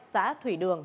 xã thủy đường